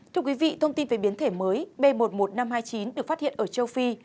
thưa quý vị thông tin về biến thể mới b một mươi một nghìn năm trăm hai mươi chín được phát hiện ở châu phi